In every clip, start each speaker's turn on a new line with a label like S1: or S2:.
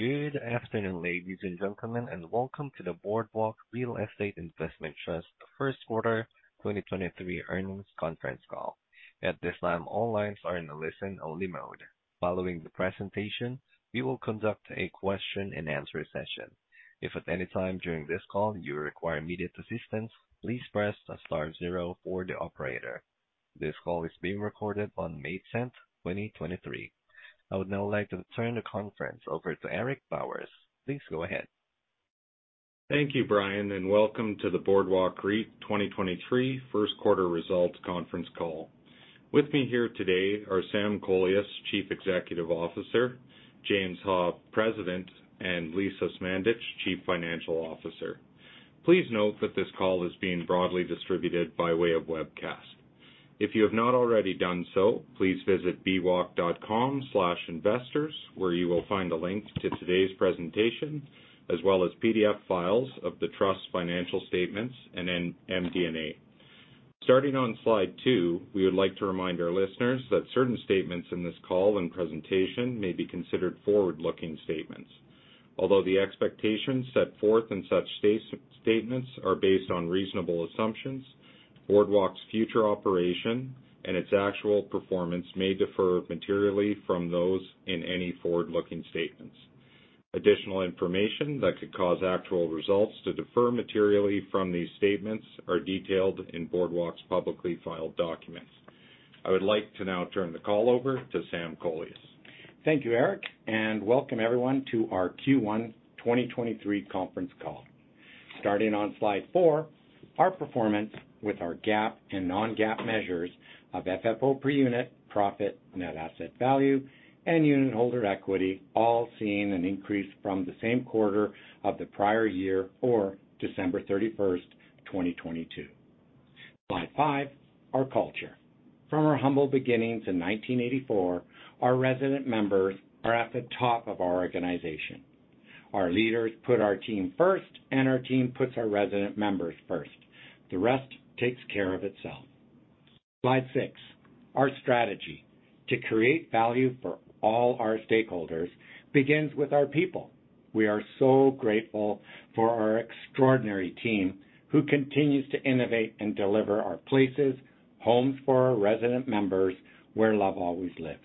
S1: Good afternoon, ladies and gentlemen, welcome to the Boardwalk Real Estate Investment Trust First Quarter 2023 Earnings Conference Call. At this time, all lines are in a listen-only mode. Following the presentation, we will conduct a Q&A session. If at any time during this call you require immediate assistance, please press star zero for the operator. This call is being recorded on May 10th, 2023. I would now like to turn the conference over to Eric Bowers. Please go ahead.
S2: Thank you, Brian. Welcome to the Boardwalk REIT 2023 first quarter results conference call. With me here today are Sam Kolias, Chief Executive Officer, James Ha, President, and Lisa Smandych, Chief Financial Officer. Please note that this call is being broadly distributed by way of webcast. If you have not already done so, please visit bwalk.com/investors where you will find a link to today's presentation, as well as PDF files of the Trust's financial statements and then MD&A. Starting on slide two, we would like to remind our listeners that certain statements in this call and presentation may be considered forward-looking statements. Although the expectations set forth in such statements are based on reasonable assumptions, Boardwalk's future operation and its actual performance may differ materially from those in any forward-looking statements. Additional information that could cause actual results to differ materially from these statements are detailed in Boardwalk's publicly filed documents. I would like to now turn the call over to Sam Kolias.
S3: Thank you, Eric. Welcome everyone to our Q1 2023 conference call. Starting on slide four, our performance with our GAAP and non-GAAP measures of FFO per unit, profit, net asset value, and unitholder equity all seeing an increase from the same quarter of the prior year or December 31st, 2022. Slide five, our culture. From our humble beginnings in 1984, our resident members are at the top of our organization. Our leaders put our team first. Our team puts our resident members first. The rest takes care of itself. Slide six, our strategy to create value for all our stakeholders begins with our people. We are so grateful for our extraordinary team who continues to innovate and deliver our places, homes for our resident members where love always lives.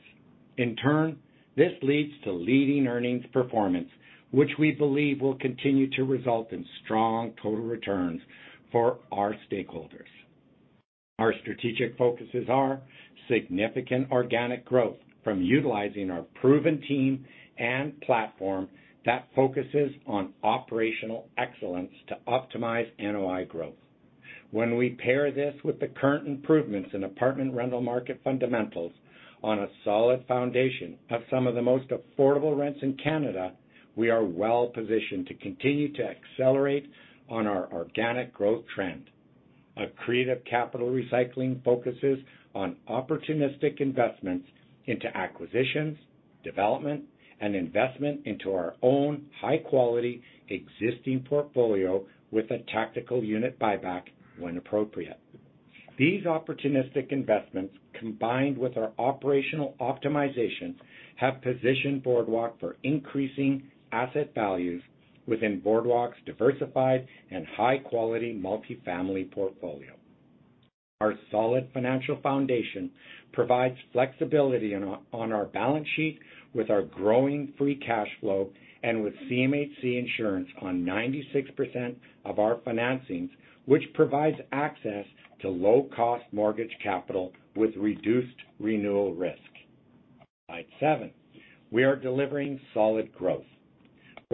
S3: In turn, this leads to leading earnings performance, which we believe will continue to result in strong total returns for our stakeholders. Our strategic focuses are significant organic growth from utilizing our proven team and platform that focuses on operational excellence to optimize NOI growth. When we pair this with the current improvements in apartment rental market fundamentals on a solid foundation of some of the most affordable rents in Canada, we are well positioned to continue to accelerate on our organic growth trend. A creative capital recycling focuses on opportunistic investments into acquisitions, development and investment into our own high quality existing portfolio with a tactical unit buyback when appropriate. These opportunistic investments, combined with our operational optimization, have positioned Boardwalk for increasing asset values within Boardwalk's diversified and high-quality multifamily portfolio. Our solid financial foundation provides flexibility on our balance sheet with our growing free cash flow and with CMHC insurance on 96% of our financings, which provides access to low-cost mortgage capital with reduced renewal risk. Slide seven, we are delivering solid growth.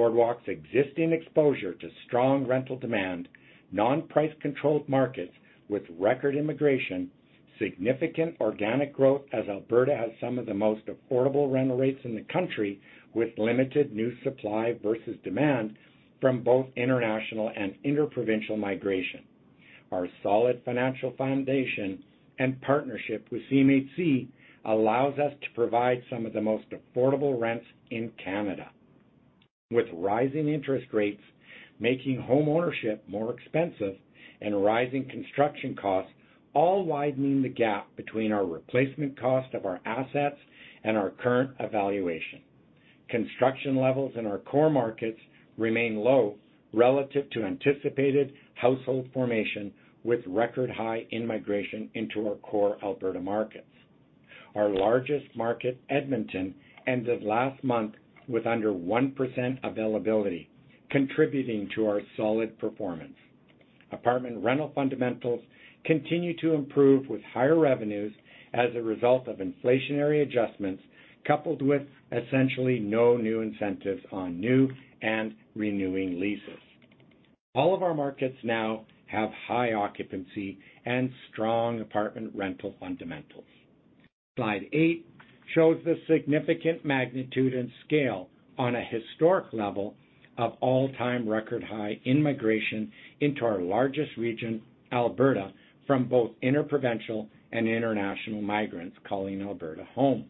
S3: Boardwalk's existing exposure to strong rental demand, non-price controlled markets with record immigration, significant organic growth as Alberta has some of the most affordable rental rates in the country, with limited new supply versus demand from both international and inter-provincial migration. Our solid financial foundation and partnership with CMHC allows us to provide some of the most affordable rents in Canada. With rising interest rates making homeownership more expensive and rising construction costs all widening the gap between our replacement cost of our assets and our current valuation. Construction levels in our core markets remain low relative to anticipated household formation, with record high in-migration into our core Alberta markets. Our largest market, Edmonton, ended last month with under 1% availability contributing to our solid performance. Apartment rental fundamentals continue to improve with higher revenues as a result of inflationary adjustments, coupled with essentially no new incentives on new and renewing leases. All of our markets now have high occupancy and strong apartment rental fundamentals. Slide 8 shows the significant magnitude and scale on a historic level of all-time record high in-migration into our largest region, Alberta, from both interprovincial and international migrants calling Alberta home.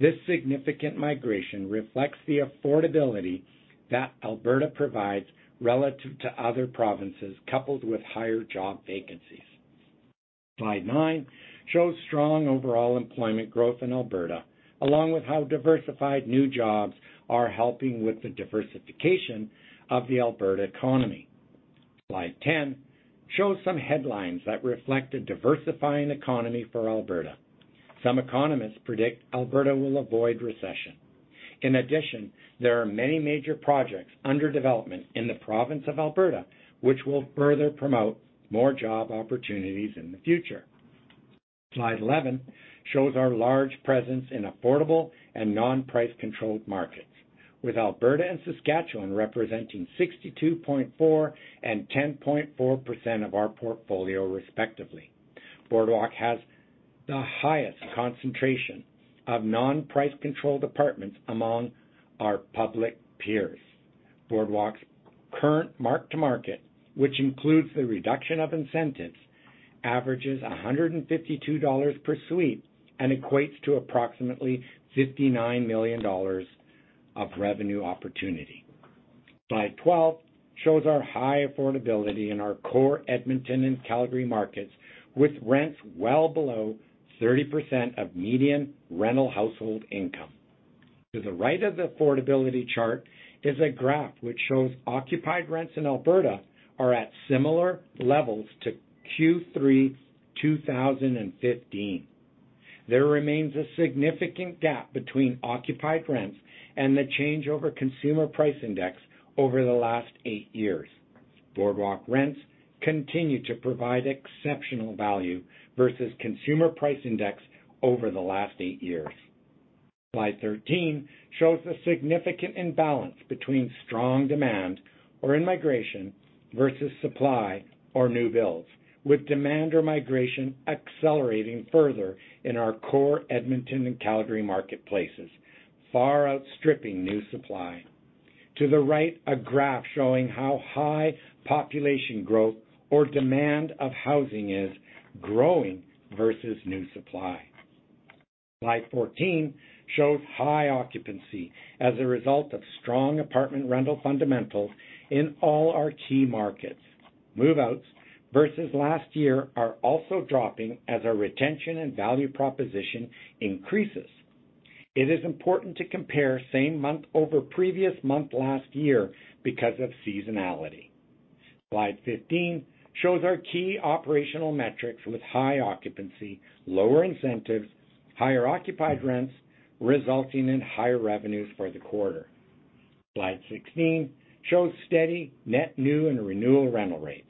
S3: This significant migration reflects the affordability that Alberta provides relative to other provinces, coupled with higher job vacancies. Slide nine shows strong overall employment growth in Alberta, along with how diversified new jobs are helping with the diversification of the Alberta economy. Slide 10 shows some headlines that reflect a diversifying economy for Alberta. In addition, there are many major projects under development in the province of Alberta, which will further promote more job opportunities in the future. Slide 11 shows our large presence in affordable and non-price-controlled markets, with Alberta and Saskatchewan representing 62.4% and 10.4% of our portfolio respectively. Boardwalk has the highest concentration of non-price-controlled apartments among our public peers. Boardwalk's current mark-to-market, which includes the reduction of incentives, averages 152 dollars per suite and equates to approximately 59 million dollars of revenue opportunity. Slide 12 shows our high affordability in our core Edmonton and Calgary markets, with rents well below 30% of median rental household income. To the right of the affordability chart is a graph which shows occupied rents in Alberta are at similar levels to Q3 2015. There remains a significant gap between occupied rents and the change over Consumer Price Index over the last eight years. Boardwalk rents continue to provide exceptional value versus Consumer Price Index over the last eight years. Slide 13 shows a significant imbalance between strong demand or in-migration versus supply or new builds, with demand or migration accelerating further in our core Edmonton and Calgary marketplaces, far outstripping new supply. To the right, a graph showing how high population growth or demand of housing is growing versus new supply. Slide 14 shows high occupancy as a result of strong apartment rental fundamentals in all our key markets. Move-outs versus last year are also dropping as our retention and value proposition increases. It is important to compare same month over previous month last year because of seasonality. Slide 15 shows our key operational metrics with high occupancy, lower incentives, higher occupied rents, resulting in higher revenues for the quarter. Slide 16 shows steady net new and renewal rental rates.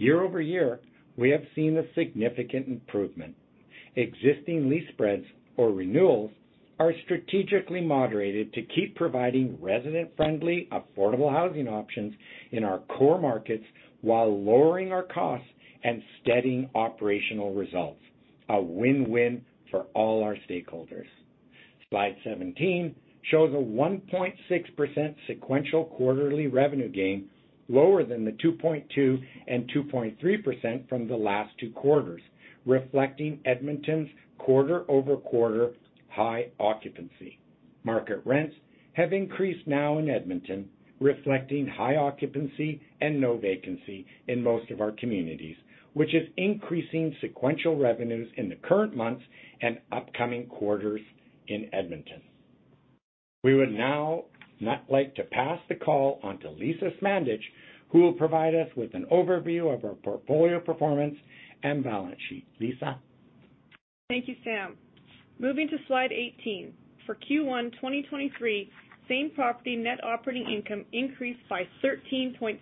S3: YoY, we have seen a significant improvement. Existing lease spreads or renewals are strategically moderated to keep providing resident-friendly, affordable housing options in our core markets while lowering our costs and steadying operational results. A win-win for all our stakeholders. Slide 17 shows a 1.6% sequential quarterly revenue gain lower than the 2.2% and 2.3% from the last two quarters, reflecting Edmonton's QoQ high occupancy. Market rents have increased now in Edmonton, reflecting high occupancy and no vacancy in most of our communities, which is increasing sequential revenues in the current months and upcoming quarters in Edmonton. We would now not like to pass the call on to Lisa Smandych, who will provide us with an overview of our portfolio performance and balance sheet. Lisa.
S4: Thank you, Sam. Moving to slide 18, for Q1 2023, same property net operating income increased by 13.7%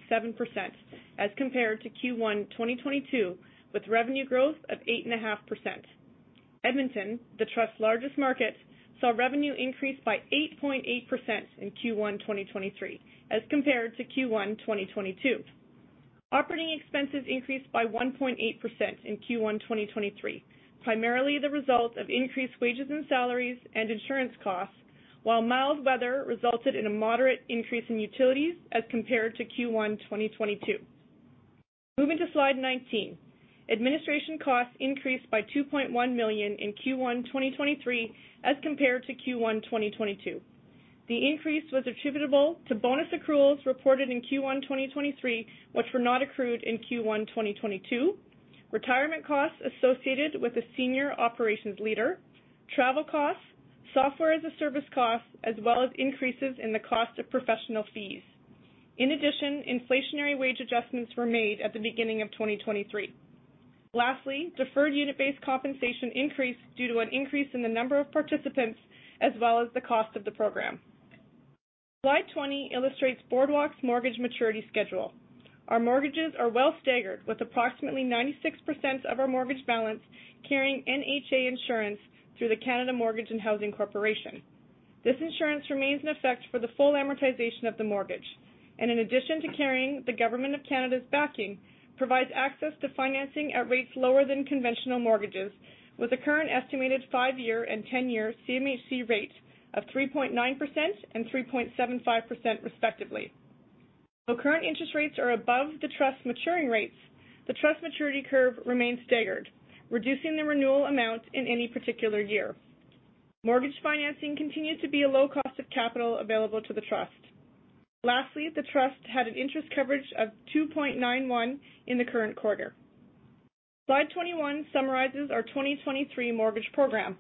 S4: as compared to Q1 2022, with revenue growth of 8.5%. Edmonton, the Trust's largest market, saw revenue increase by 8.8% in Q1 2023 as compared to Q1 2022. Operating expenses increased by 1.8% in Q1 2023, primarily the result of increased wages and salaries and insurance costs, while mild weather resulted in a moderate increase in utilities as compared to Q1 2022. Moving to slide 19, administration costs increased by $2.1 million in Q1 2023 as compared to Q1 2022. The increase was attributable to bonus accruals reported in Q1 2023, which were not accrued in Q1 2022, retirement costs associated with a senior operations leader, travel costs, software as a service costs, as well as increases in the cost of professional fees. Inflationary wage adjustments were made at the beginning of 2023. Deferred unit-based compensation increased due to an increase in the number of participants as well as the cost of the program. Slide 20 illustrates Boardwalk's mortgage maturity schedule. Our mortgages are well staggered with approximately 96% of our mortgage balance carrying NHA insurance through the Canada Mortgage and Housing Corporation. This insurance remains in effect for the full amortization of the mortgage, and in addition to carrying the Government of Canada's backing, provides access to financing at rates lower than conventional mortgages with the current estimated 5-year and 10-year CMHC rate of 3.9% and 3.75% respectively. Though current interest rates are above the Trust's maturing rates, the Trust maturity curve remains staggered, reducing the renewal amount in any particular year. Mortgage financing continued to be a low cost of capital available to the Trust. The Trust had an interest coverage of 2.91 in the current quarter. Slide 21 summarizes our 2023 mortgage program.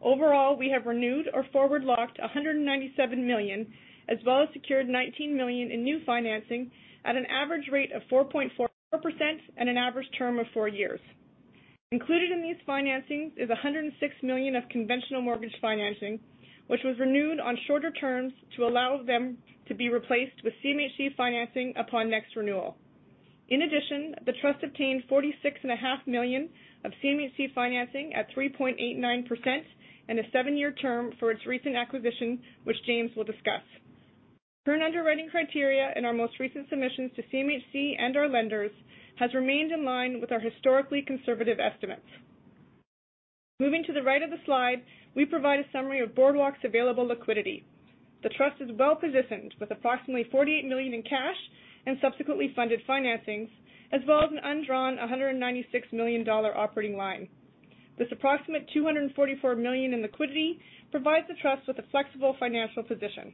S4: Overall, we have renewed or forward-locked 197 million, as well as secured 19 million in new financing at an average rate of 4.44% and an average term of four years. Included in these financings is 106 million of conventional mortgage financing, which was renewed on shorter terms to allow them to be replaced with CMHC financing upon next renewal. In addition, the trust obtained 46.5 million of CMHC financing at 3.89% and a 7-year term for its recent acquisition, which James will discuss. Current underwriting criteria in our most recent submissions to CMHC and our lenders has remained in line with our historically conservative estimates. Moving to the right of the slide, we provide a summary of Boardwalk's available liquidity. The trust is well-positioned with approximately 48 million in cash and subsequently funded financings, as well as an undrawn 196 million dollar operating line. This approximate 244 million in liquidity provides the trust with a flexible financial position.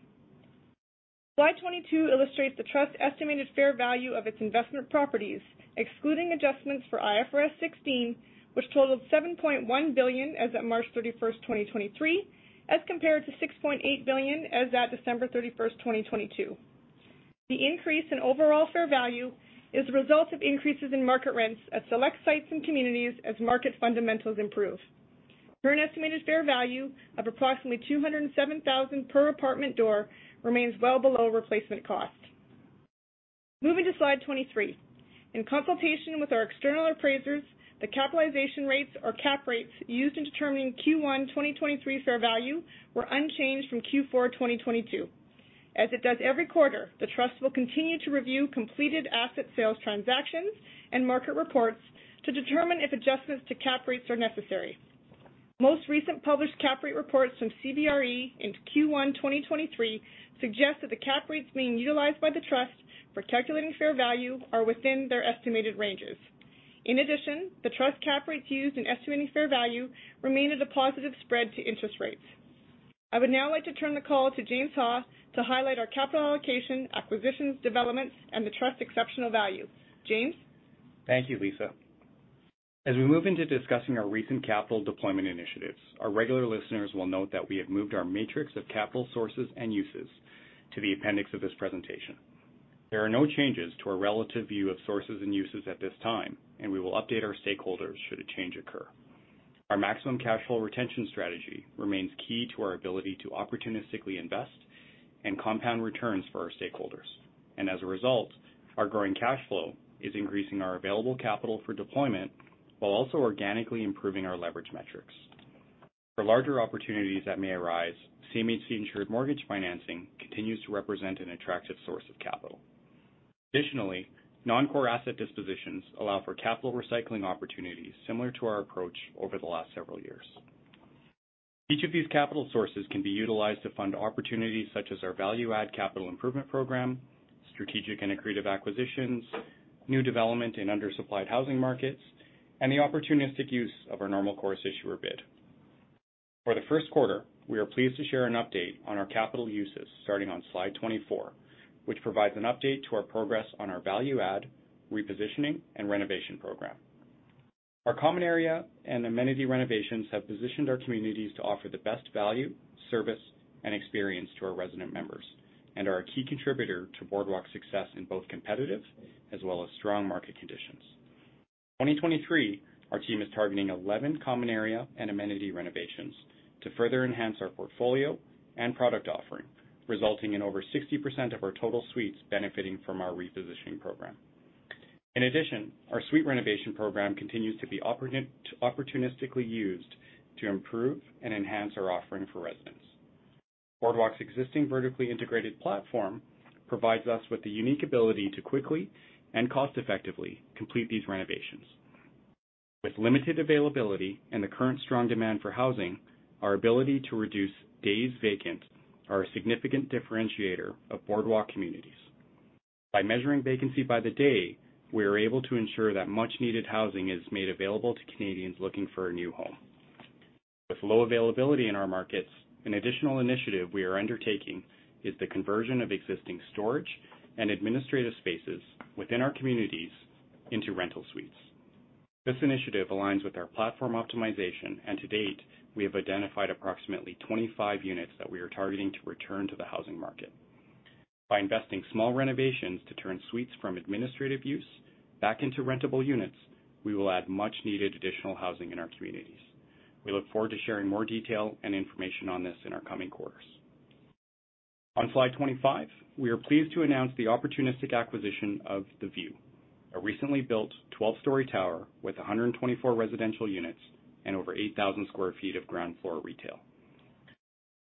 S4: Slide 22 illustrates the trust estimated fair value of its investment properties, excluding adjustments for IFRS 16, which totaled 7.1 billion as at March 31st, 2023, as compared to 6.8 billion as at December 31st, 2022. The increase in overall fair value is the result of increases in market rents at select sites and communities as market fundamentals improve. Current estimated fair value of approximately 207,000 per apartment door remains well below replacement cost. Moving to Slide 23. In consultation with our external appraisers, the capitalization rates or cap rates used in determining Q1 2023 fair value were unchanged from Q4 2022. As it does every quarter, the trust will continue to review completed asset sales transactions and market reports to determine if adjustments to cap rates are necessary. Most recent published cap rate reports from CBRE in Q1 2023 suggest that the cap rates being utilized by the trust for calculating fair value are within their estimated ranges. In addition, the trust cap rates used in estimating fair value remain at a positive spread to interest rates. I would now like to turn the call to James Ha to highlight our capital allocation, acquisitions, developments, and the trust exceptional value. James.
S5: Thank you, Lisa. As we move into discussing our recent capital deployment initiatives, our regular listeners will note that we have moved our matrix of capital sources and uses to the appendix of this presentation. There are no changes to our relative view of sources and uses at this time, and we will update our stakeholders should a change occur. Our maximum cash flow retention strategy remains key to our ability to opportunistically invest and compound returns for our stakeholders. As a result, our growing cash flow is increasing our available capital for deployment while also organically improving our leverage metrics. For larger opportunities that may arise, CMHC insured mortgage financing continues to represent an attractive source of capital. Additionally, non-core asset dispositions allow for capital recycling opportunities similar to our approach over the last several years. Each of these capital sources can be utilized to fund opportunities such as our value add capital improvement program, strategic and accretive acquisitions, new development in under-supplied housing markets, and the opportunistic use of our normal course issuer bid. For the first quarter, we are pleased to share an update on our capital uses starting on slide 24, which provides an update to our progress on our value add, repositioning, and renovation program. Our common area and amenity renovations have positioned our communities to offer the best value, service, and experience to our resident members and are a key contributor to Boardwalk's success in both competitive as well as strong market conditions. 2023, our team is targeting 11 common area and amenity renovations to further enhance our portfolio and product offering, resulting in over 60% of our total suites benefiting from our repositioning program. In addition, our suite renovation program continues to be opportunistically used to improve and enhance our offering for residents. Boardwalk's existing vertically integrated platform provides us with the unique ability to quickly and cost-effectively complete these renovations. With limited availability and the current strong demand for housing, our ability to reduce days vacant are a significant differentiator of Boardwalk communities. By measuring vacancy by the day, we are able to ensure that much-needed housing is made available to Canadians looking for a new home. With low availability in our markets, an additional initiative we are undertaking is the conversion of existing storage and administrative spaces within our communities into rental suites. This initiative aligns with our platform optimization, and to date, we have identified approximately 25 units that we are targeting to return to the housing market. By investing small renovations to turn suites from administrative use back into rentable units, we will add much needed additional housing in our communities. We look forward to sharing more detail and information on this in our coming quarters. On slide 25, we are pleased to announce the opportunistic acquisition of The View, a recently built 12-story tower with 124 residential units and over 8,000 sq ft of ground floor retail.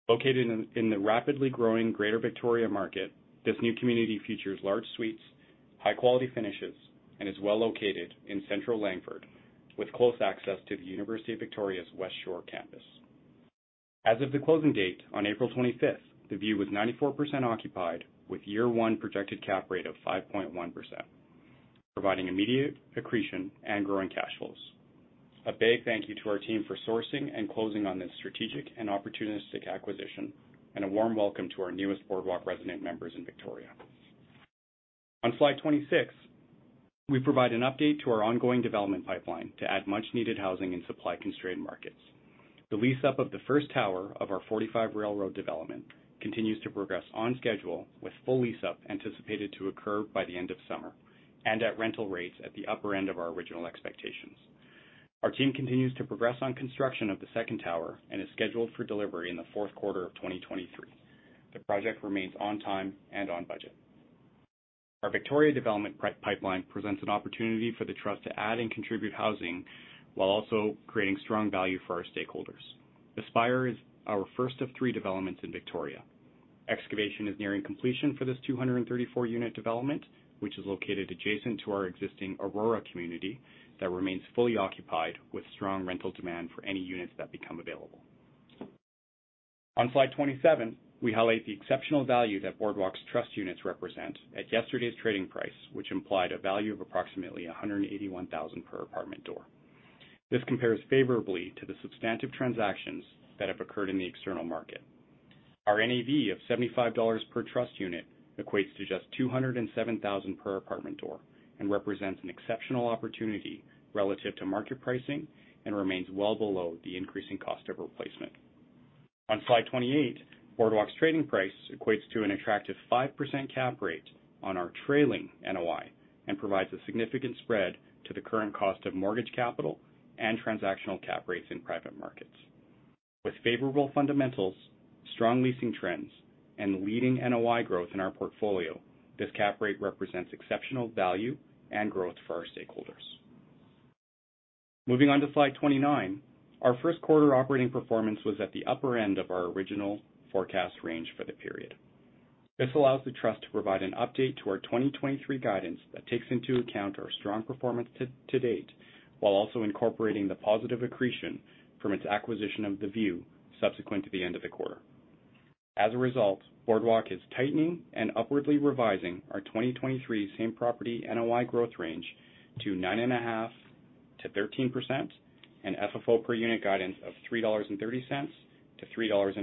S5: Located in the rapidly growing greater Victoria market, this new community features large suites, high quality finishes, and is well located in central Langford, with close access to the University of Victoria's West Shore campus. As of the closing date on April 25th, The View was 94% occupied with year one projected cap rate of 5.1%, providing immediate accretion and growing cash flows. A big thank you to our team for sourcing and closing on this strategic and opportunistic acquisition. A warm welcome to our newest Boardwalk resident members in Victoria. On slide 26, we provide an update to our ongoing development pipeline to add much needed housing in supply constrained markets. The lease up of the first tower of our 45 Railroad development continues to progress on schedule, with full lease up anticipated to occur by the end of summer and at rental rates at the upper end of our original expectations. Our team continues to progress on construction of the second tower and is scheduled for delivery in the fourth quarter of 2023. The project remains on time and on budget. Our Victoria development pipeline presents an opportunity for the trust to add and contribute housing while also creating strong value for our stakeholders. Aspire is our first of three developments in Victoria. Excavation is nearing completion for this 234 unit development, which is located adjacent to our existing Aurora community that remains fully occupied with strong rental demand for any units that become available. On slide 27, we highlight the exceptional value that Boardwalk's trust units represent at yesterday's trading price, which implied a value of approximately 181,000 per apartment door. Our NAV of 75 per trust unit equates to just 207,000 per apartment door and represents an exceptional opportunity relative to market pricing and remains well below the increasing cost of replacement. On slide 28, Boardwalk's trading price equates to an attractive 5% cap rate on our trailing NOI and provides a significant spread to the current cost of mortgage capital and transactional cap rates in private markets. With favorable fundamentals, strong leasing trends, and leading NOI growth in our portfolio, this cap rate represents exceptional value and growth for our stakeholders. Moving on to slide 29, our first quarter operating performance was at the upper end of our original forecast range for the period. This allows the trust to provide an update to our 2023 guidance that takes into account our strong performance to date, while also incorporating the positive accretion from its acquisition of The View subsequent to the end of the quarter. As a result, Boardwalk is tightening and upwardly revising our 2023 same property NOI growth range to 9.5%-13% and FFO per unit guidance of 3.30-3.46 dollars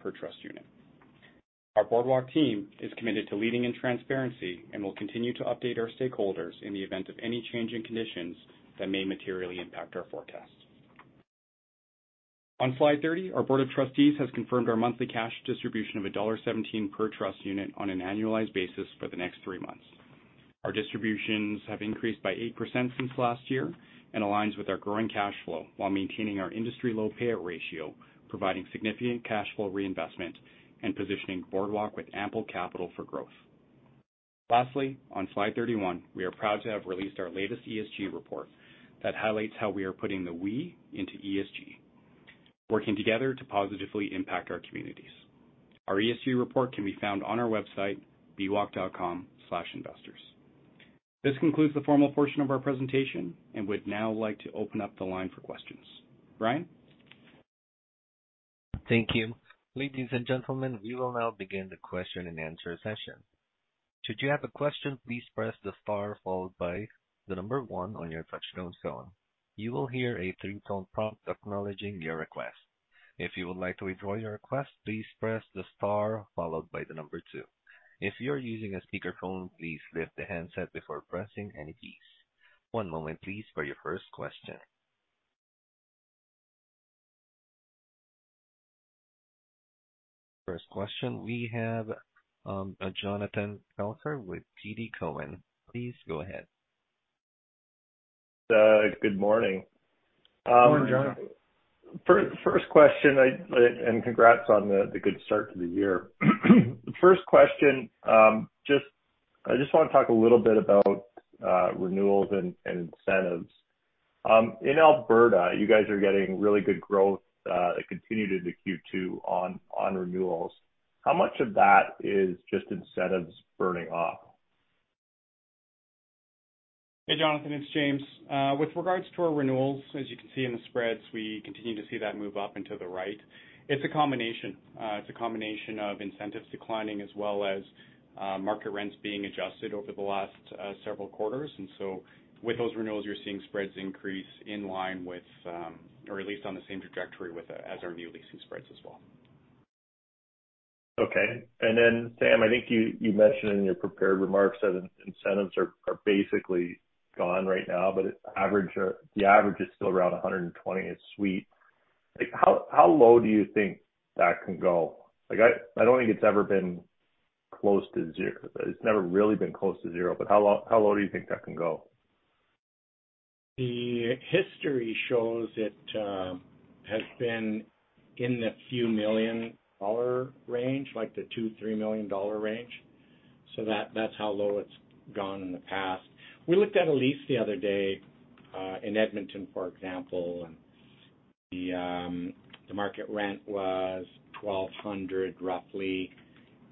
S5: per trust unit. Our Boardwalk team is committed to leading in transparency, and we'll continue to update our stakeholders in the event of any change in conditions that may materially impact our forecast. On slide 30, our board of trustees has confirmed our monthly cash distribution of dollar 1.17 per trust unit on an annualized basis for the next three months. Our distributions have increased by 8% since last year and aligns with our growing cash flow while maintaining our industry low payout ratio, providing significant cash flow reinvestment and positioning Boardwalk with ample capital for growth. Lastly, on slide 31, we are proud to have released our latest ESG report that highlights how we are putting the we into ESG, working together to positively impact our communities. Our ESG report can be found on our website, bwalk.com/investors. This concludes the formal portion of our presentation. We'd now like to open up the line for questions. Brian?
S1: Thank you. Ladies and gentlemen, we will now begin the question and answer session. Should you have a question, please press the star followed by the number one on your touch-tone phone. You will hear a three tone prompt acknowledging your request. If you would like to withdraw your request, please press the star followed by the number two. If you're using a speakerphone, please lift the handset before pressing any keys. One moment please for your first question. First question, we have a Jonathan Kelcher with TD Securities. Please go ahead.
S6: Good morning.
S5: Good morning, Jonathan.
S6: First question I and congrats on the good start to the year. First question, I just wanna talk a little bit about renewals and incentives. In Alberta, you guys are getting really good growth that continued into Q2 on renewals. How much of that is just incentives burning off?
S5: Hey, Jonathan, it's James. With regards to our renewals, as you can see in the spreads, we continue to see that move up and to the right. It's a combination. It's a combination of incentives declining as well as market rents being adjusted over the last several quarters. With those renewals, you're seeing spreads increase in line with, or at least on the same trajectory with, as our new leasing spreads as well.
S6: Okay. Sam, I think you mentioned in your prepared remarks that incentives are basically gone right now, but the average is still around 120 a suite. How low do you think that can go? I don't think it's ever been close to zero. It's never really been close to zero, how low do you think that can go?
S3: The history shows it has been in the few million CAD range, like the 2 million-3 million dollar range. That's how low it's gone in the past. We looked at a lease the other day in Edmonton, for example, the market rent was 1,200 roughly,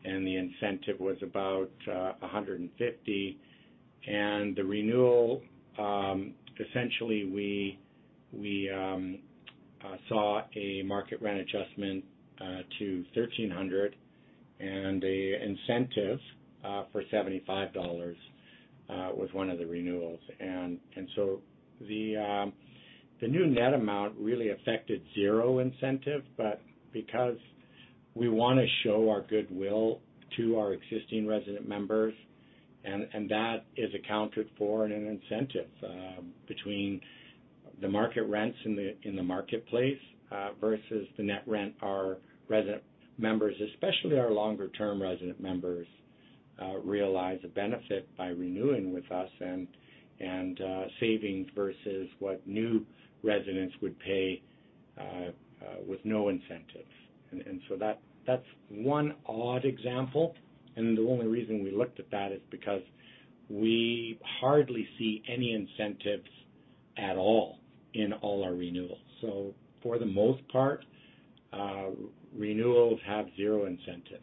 S3: the incentive was about 150. The renewal, essentially we saw a market rent adjustment to 1,300 and a incentive for 75 dollars was one of the renewals. The new net amount really affected zero incentive, but because we wanna show our goodwill to our existing resident members, and that is accounted for in an incentive between the market rents in the marketplace versus the net rent our resident members, especially our longer-term resident members, realize a benefit by renewing with us and savings versus what new residents would pay with no incentives. That's one odd example. The only reason we looked at that is because we hardly see any incentives at all in all our renewals. For the most part, renewals have zero incentive.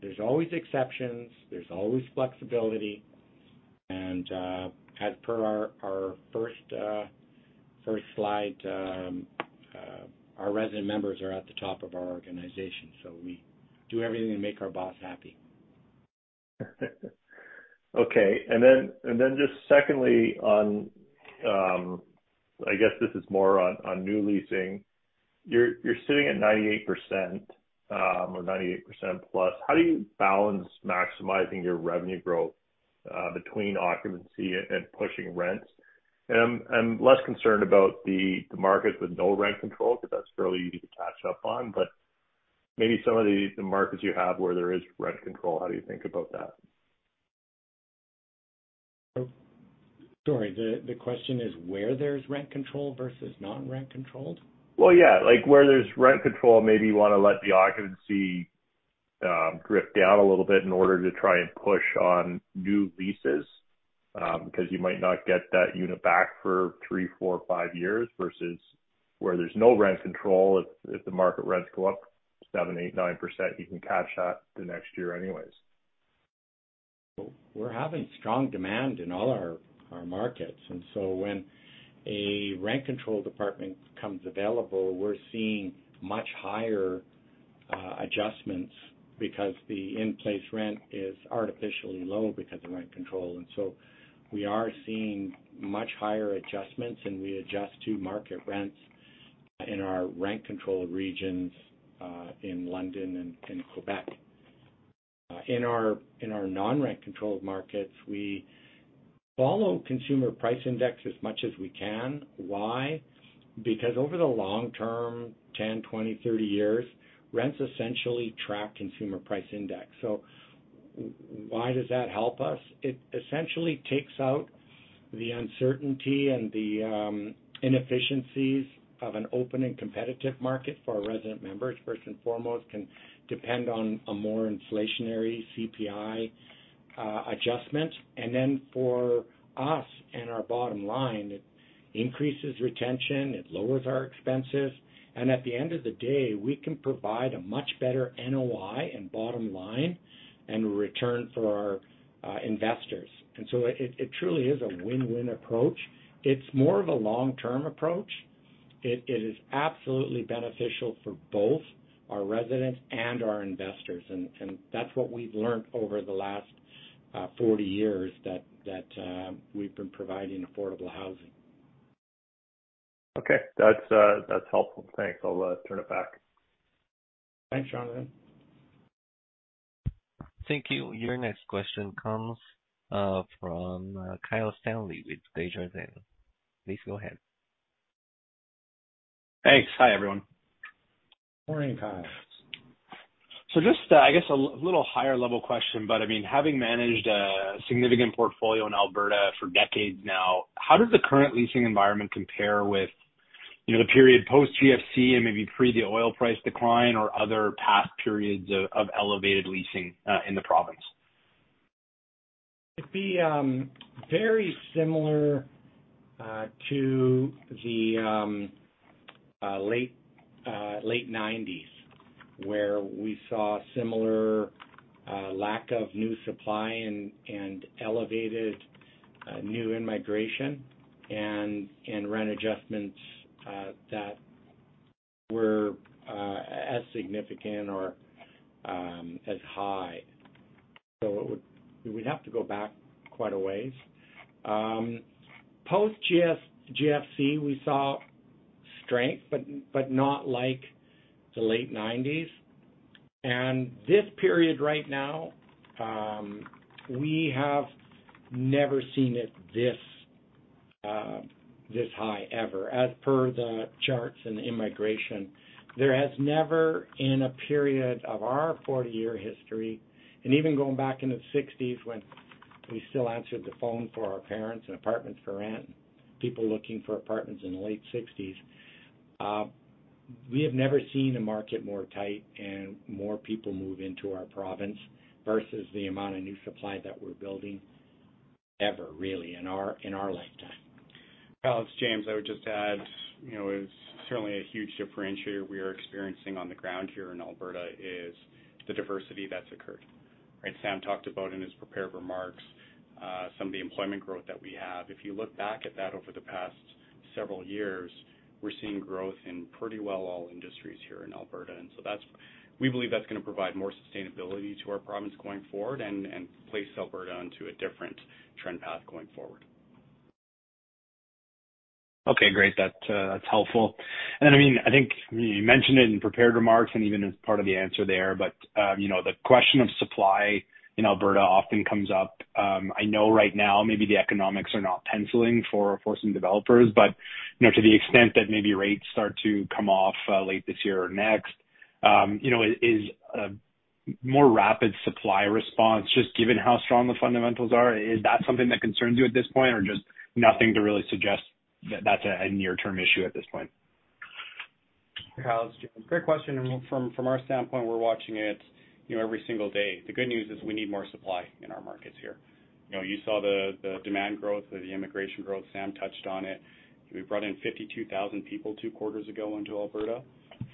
S3: There's always exceptions, there's always flexibility. As per our first slide, our resident members are at the top of our organization, so we do everything to make our boss happy.
S6: Okay. Then just secondly on, I guess this is more on new leasing. You're sitting at 98%, or 98%+. How do you balance maximizing your revenue growth between occupancy and pushing rents? I'm less concerned about the markets with no rent control because that's fairly easy to catch up on. Maybe some of the markets you have where there is rent control, how do you think about that?
S3: Sorry, the question is where there's rent control versus non-rent controlled?
S6: Well, yeah, like where there's rent control, maybe you wanna let the occupancy drift down a little bit in order to try and push on new leases. Because you might not get that unit back for three, four, five years versus where there's no rent control, if the market rents go up 7%, 8%, 9%, you can catch that the next year anyways.
S3: We're having strong demand in all our markets. When a rent-controlled apartment becomes available, we're seeing much higher adjustments because the in-place rent is artificially low because of rent control. We are seeing much higher adjustments, and we adjust to market rents in our rent-controlled regions in London and in Quebec. In our non-rent controlled markets, we follow Consumer Price Index as much as we can. Why? Because over the long term, 10, 20, 30 years, rents essentially track Consumer Price Index. Why does that help us? It essentially takes out the uncertainty and the inefficiencies of an open and competitive market for our resident members. First and foremost, can depend on a more inflationary CPI adjustment. For us and our bottom line, it increases retention, it lowers our expenses. At the end of the day, we can provide a much better NOI and bottom line and return for our investors. It truly is a win-win approach. It's more of a long-term approach. It is absolutely beneficial for both our residents and our investors, that's what we've learned over the last 40 years that we've been providing affordable housing.
S6: Okay. That's, that's helpful. Thanks. I'll turn it back.
S3: Thanks, Jonathan.
S1: Thank you. Your next question comes from Kyle Stanley with Desjardins. Please go ahead.
S7: Thanks. Hi, everyone.
S3: Morning, Kyle.
S7: Just, I guess a little higher level question, but I mean, having managed a significant portfolio in Alberta for decades now, how does the current leasing environment compare with, you know, the period post-GFC and maybe pre the oil price decline or other past periods of elevated leasing in the province?
S3: It'd be very similar to the late 1990s, where we saw similar lack of new supply and elevated new immigration and rent adjustments that were as significant or as high. We'd have to go back quite a ways. Post GFC, we saw strength, but not like the late 1990s. This period right now, we have never seen it this high ever. As per the charts and immigration, there has never in a period of our 40-year history, and even going back into the 60s, when we still answered the phone for our parents and apartments for rent, people looking for apartments in the late 60s, we have never seen the market more tight and more people move into our province versus the amount of new supply that we're building ever really in our lifetime. Kyle, it's James. I would just add, you know, it's certainly a huge differentiator we are experiencing on the ground here in Alberta is the diversity that's occurred.
S5: Right. Sam talked about in his prepared remarks, some of the employment growth that we have. If you look back at that over the past several years, we're seeing growth in pretty well all industries here in Alberta. That's gonna provide more sustainability to our province going forward and place Alberta into a different trend path going forward.
S7: Okay, great. That's, that's helpful. I mean, I think you mentioned it in prepared remarks and even as part of the answer there, you know, the question of supply in Alberta often comes up. I know right now maybe the economics are not penciling for some developers. You know, to the extent that maybe rates start to come off late this year or next, you know, is a more rapid supply response just given how strong the fundamentals are, is that something that concerns you at this point or just nothing to really suggest that that's a near-term issue at this point?
S5: Kyle, it's James. Great question. From our standpoint, we're watching it, you know, every single day. The good news is we need more supply in our markets here. You know, you saw the demand growth, the immigration growth. Sam touched on it. We brought in 52,000 people two quarters ago into Alberta.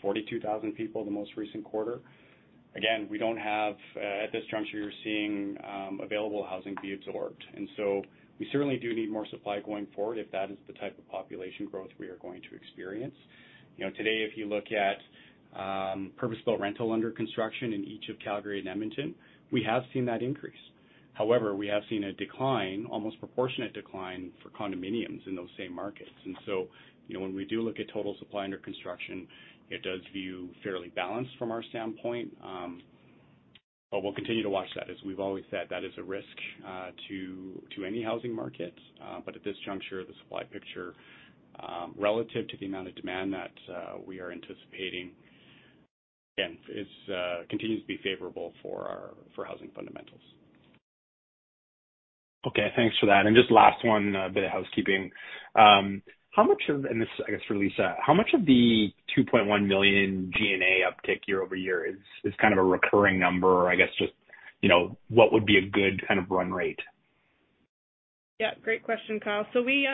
S5: 42,000 people the most recent quarter. Again, we don't have at this juncture, you're seeing available housing be absorbed. We certainly do need more supply going forward if that is the type of population growth we are going to experience. You know today, if you look at purpose-built rental under construction in each of Calgary and Edmonton, we have seen that increase. However, we have seen a decline, almost proportionate decline for condominiums in those same markets. You know, when we do look at total supply under construction, it does view fairly balanced from our standpoint. We'll continue to watch that. As we've always said, that is a risk to any housing market. At this juncture, the supply picture, relative to the amount of demand that we are anticipating, again, is continues to be favorable for our housing fundamentals.
S7: Okay. Thanks for that. Just last one, a bit of housekeeping. And this, I guess, for Lisa. How much of the 2.1 million G&A uptick YoY is kind of a recurring number? I guess just, you know, what would be a good kind of run rate?
S4: Yeah, great question, Kyle. We,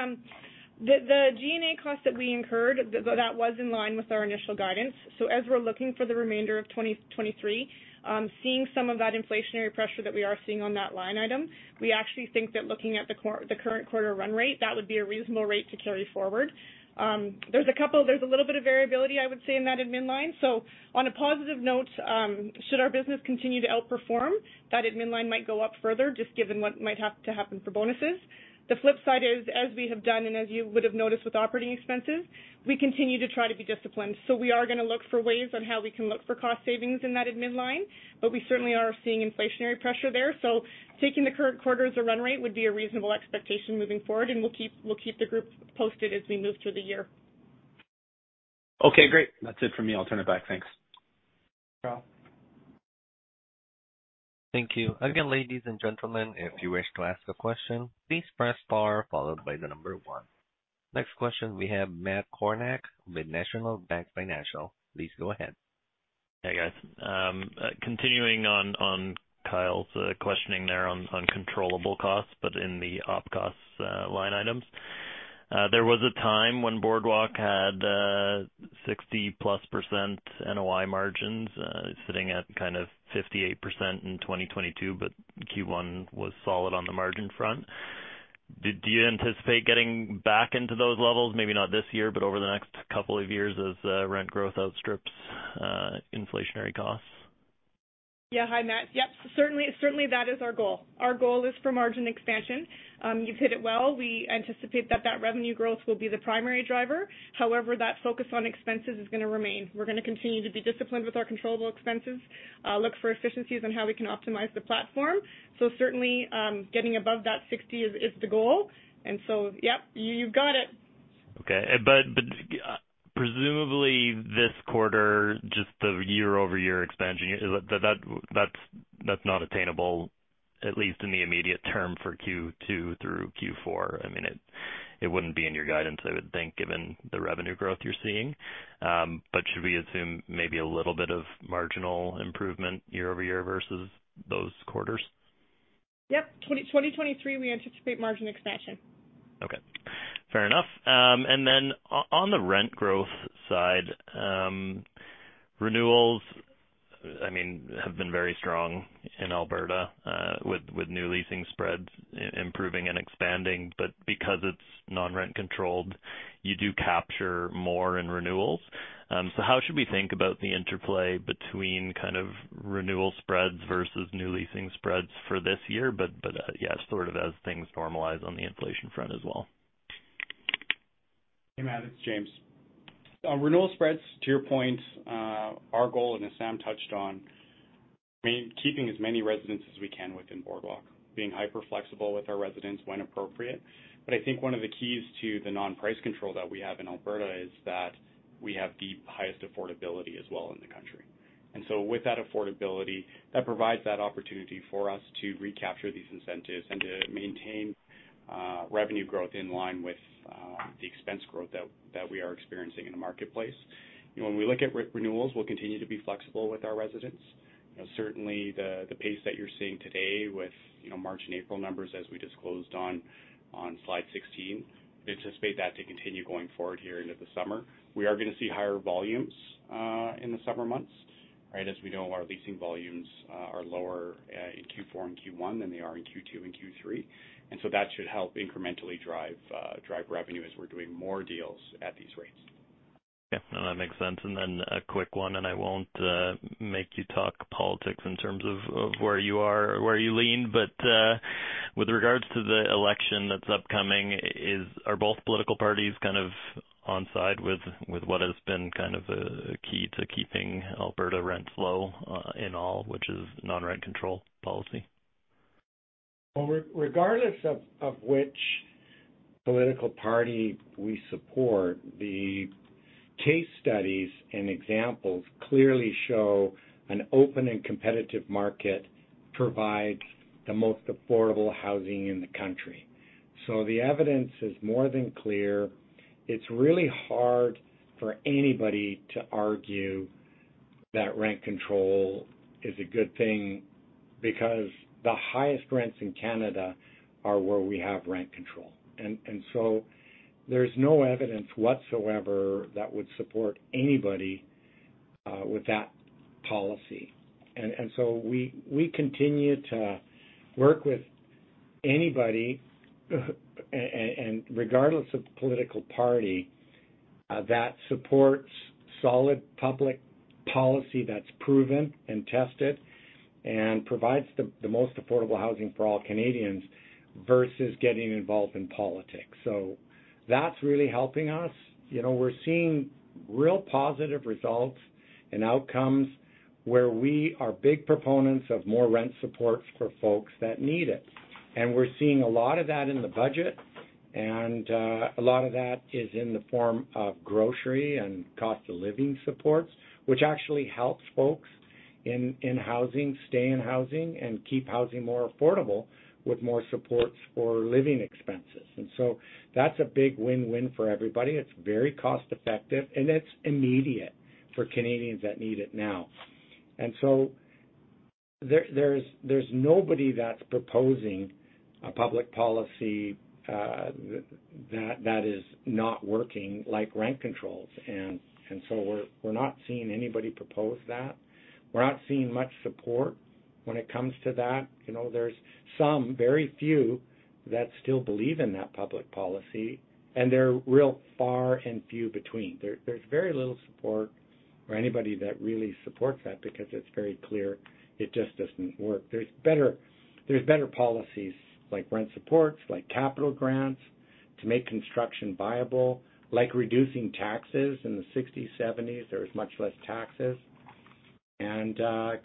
S4: the G&A cost that we incurred, that was in line with our initial guidance. As we're looking for the remainder of 2023, seeing some of that inflationary pressure that we are seeing on that line item, we actually think that looking at the current quarter run rate, that would be a reasonable rate to carry forward. There's a little bit of variability, I would say, in that admin line. On a positive note, should our business continue to outperform, that admin line might go up further just given what might have to happen for bonuses. The flip side is, as we have done and as you would have noticed with operating expenses, we continue to try to be disciplined. We are gonna look for ways on how we can look for cost savings in that admin line, but we certainly are seeing inflationary pressure there. Taking the current quarter as a run rate would be a reasonable expectation moving forward, and we'll keep the group posted as we move through the year.
S7: Okay, great. That's it for me. I'll turn it back. Thanks.
S4: Thanks, Kyle.
S1: Thank you. Ladies and gentlemen, if you wish to ask a question, please press star followed by 1. Next question we have Matt Kornack with National Bank Financial. Please go ahead.
S8: Hey, guys. Continuing on Kyle's questioning there on controllable costs, but in the op costs line items. There was a time when Boardwalk had 60%+ NOI margins, sitting at kind of 58% in 2022, but Q1 was solid on the margin front. Do you anticipate getting back into those levels? Maybe not this year, but over the next couple of years as rent growth outstrips inflationary costs?
S4: Yeah. Hi, Matt. Yep, certainly, that is our goal. Our goal is for margin expansion. You've hit it well. We anticipate that revenue growth will be the primary driver. However, that focus on expenses is going to remain. We're going to continue to be disciplined with our controllable expenses, look for efficiencies on how we can optimize the platform. Certainly, getting above that 60 is the goal. Yep, you've got it.
S8: Okay. Presumably this quarter, just the YoY expansion, is that's not attainable, at least in the immediate term for Q2 through Q4? I mean, it wouldn't be in your guidance, I would think, given the revenue growth you're seeing. Should we assume maybe a little bit of marginal improvement YoY versus those quarters?
S4: Yep. 2023, we anticipate margin expansion.
S8: Okay. Fair enough. On the rent growth side, renewals, I mean, have been very strong in Alberta, with new leasing spreads improving and expanding. Because it's non-rent controlled, you do capture more in renewals. How should we think about the interplay between kind of renewal spreads versus new leasing spreads for this year, but, yeah, sort of as things normalize on the inflation front as well?
S5: Hey, Matt, it's James. renewal spreads, to your point, our goal, and as Sam touched on, I mean, keeping as many residents as we can within Boardwalk, being hyper flexible with our residents when appropriate. I think one of the keys to the non-price control that we have in Alberta is that we have the highest affordability as well in the country. With that affordability, that provides that opportunity for us to recapture these incentives and to maintain revenue growth in line with the expense growth that we are experiencing in the marketplace. You know, when we look at re-renewals, we'll continue to be flexible with our residents. You know, certainly the pace that you're seeing today with, you know, March and April numbers as we disclosed on slide 16, we anticipate that to continue going forward here into the summer. We are gonna see higher volumes.
S3: In the summer months, right? As we know, our leasing volumes, are lower, in Q4 and Q1 than they are in Q2 and Q3. That should help incrementally drive revenue as we're doing more deals at these rates.
S8: Yeah, that makes sense. A quick one, and I won't make you talk politics in terms of where you are or where you lean, but with regards to the election that's upcoming, are both political parties kind of on side with what has been kind of a key to keeping Alberta rents low in all, which is non-rent control policy?
S3: Well, regardless of which political party we support, the case studies and examples clearly show an open and competitive market provides the most affordable housing in the country. The evidence is more than clear. It's really hard for anybody to argue that rent control is a good thing because the highest rents in Canada are where we have rent control. There's no evidence whatsoever that would support anybody with that policy. We continue to work with anybody and regardless of political party that supports solid public policy that's proven and tested and provides the most affordable housing for all Canadians versus getting involved in politics. That's really helping us. You know, we're seeing real positive results and outcomes where we are big proponents of more rent support for folks that need it. We're seeing a lot of that in the budget. A lot of that is in the form of grocery and cost of living supports, which actually helps folks in housing, stay in housing and keep housing more affordable with more supports for living expenses. That's a big win-win for everybody. It's very cost-effective, and it's immediate for Canadians that need it now. There's nobody that's proposing a public policy that is not working like rent controls. We're not seeing anybody propose that. We're not seeing much support when it comes to that. You know, there's some very few that still believe in that public policy, and they're real far and few between. There's very little support or anybody that really supports that because it's very clear it just doesn't work. There's better policies like rent supports, like capital grants to make construction viable, like reducing taxes. In the 1960s, 1970s, there was much less taxes.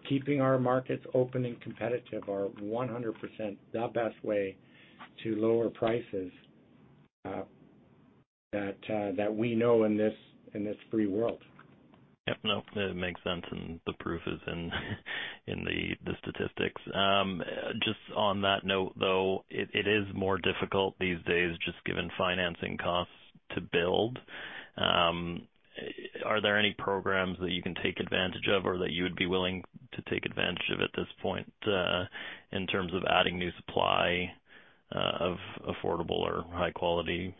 S3: Keeping our markets open and competitive are 100% the best way to lower prices that we know in this free world.
S8: Yep. No, it makes sense. The proof is in the statistics. Just on that note though, it is more difficult these days just given financing costs to build. Are there any programs that you can take advantage of or that you would be willing to take advantage of at this point, in terms of adding new supply of affordable or high quality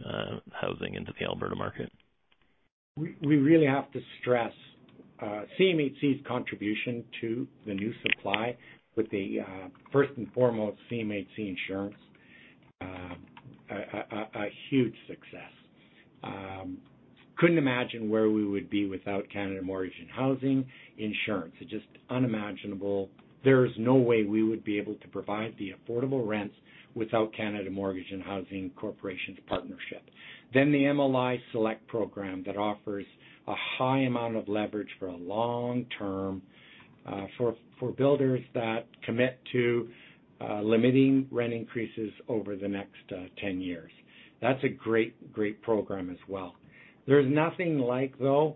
S8: housing into the Alberta market?
S3: We really have to stress CMHC's contribution to the new supply with the first and foremost, CMHC insurance, a huge success. Couldn't imagine where we would be without Canada Mortgage and Housing Insurance. It's just unimaginable. There is no way we would be able to provide the affordable rents without Canada Mortgage and Housing Corporation's partnership. The MLI Select program that offers a high amount of leverage for a long term for builders that commit to limiting rent increases over the next 10 years. That's a great program as well. There's nothing like though,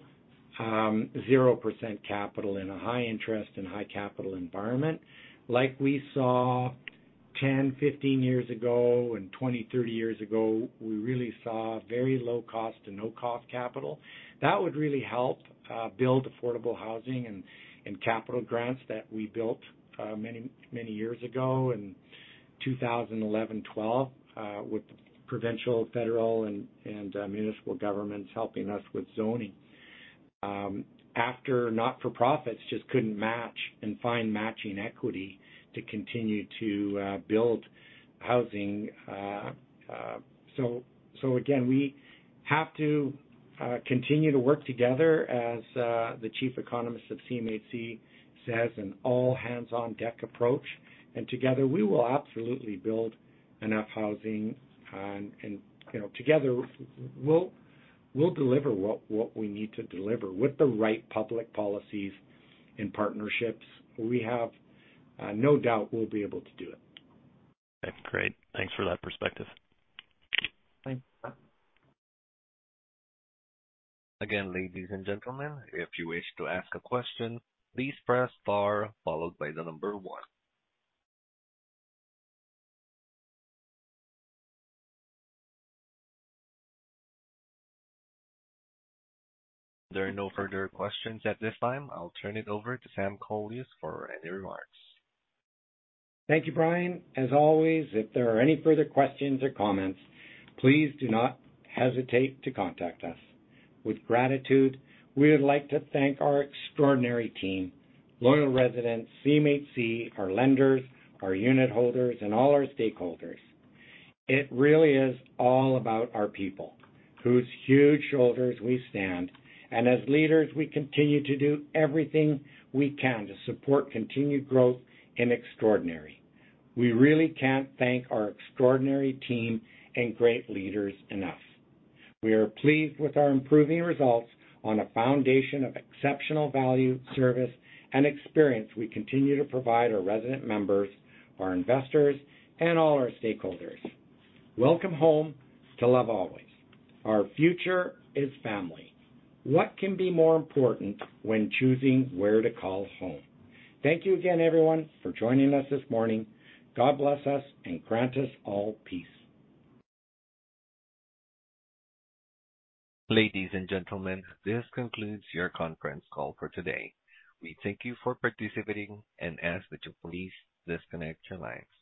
S3: 0% capital in a high interest and high capital environment like we saw 10-15 years ago and 20-30 years ago. We really saw very low cost and no-cost capital. That would really help build affordable housing and capital grants that we built many, many years ago in 2011, 2012, with provincial, federal and municipal governments helping us with zoning. After not-for-profits just couldn't match and find matching equity to continue to build housing. So again, we have to continue to work together as the chief economist of CMHC says, an all-hands-on-deck approach. Together we will absolutely build enough housing, and, you know, together we'll deliver what we need to deliver with the right public policies and partnerships. We have no doubt we'll be able to do it.
S8: Great. Thanks for that perspective.
S3: Thanks.
S1: Again, ladies and gentlemen, if you wish to ask a question, please press star followed by the number one. There are no further questions at this time. I'll turn it over to Sam Kolias for any remarks.
S3: Thank you, Brian. As always, if there are any further questions or comments, please do not hesitate to contact us. With gratitude, we would like to thank our extraordinary team, loyal residents, CMHC, our lenders, our unit holders, and all our stakeholders. It really is all about our people whose huge shoulders we stand, and as leaders, we continue to do everything we can to support continued growth and extraordinary. We really can't thank our extraordinary team and great leaders enough. We are pleased with our improving results on a foundation of exceptional value, service, and experience we continue to provide our resident members, our investors, and all our stakeholders. Welcome home to Love Always. Our future is family. What can be more important when choosing where to call home? Thank you again everyone for joining us this morning. God bless us and grant us all peace.
S1: Ladies and gentlemen, this concludes your conference call for today. We thank you for participating and ask that you please disconnect your lines.